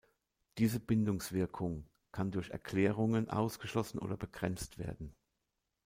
Diese Bindungswirkung kann durch Erklärungen ausgeschlossen oder begrenzt werden.